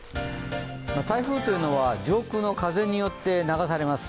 台風というのは上空の風によって流されます。